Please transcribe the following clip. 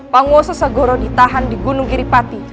penguasa segor ditahan di gunung giripati